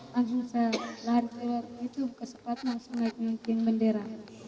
langsung saya lari ke luar itu kesempatan langsung naikin yang bendera